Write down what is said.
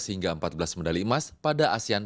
hingga empat belas medali emas pada asean